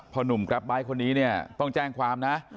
พ่อนุ่มกรับไบคนนี้ต้องแจ้งความ